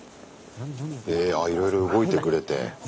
えいろいろ動いてくれて。